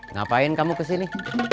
ngapain kamu kesini